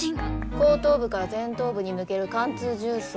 後頭部から前頭部に抜ける貫通銃創。